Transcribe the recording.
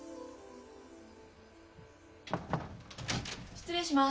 失礼します。